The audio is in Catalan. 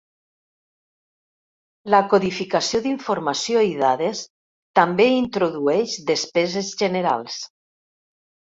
La codificació d'informació i dades també introdueix despeses generals.